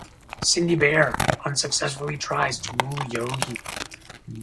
Cindy Bear unsuccessfully tries to woo Yogi.